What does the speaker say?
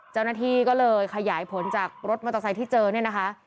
เจ้าหน้าที่ก็เลยขยายผลจากรถมอเตอร์ไซค์ที่เจอเนี่ยนะคะ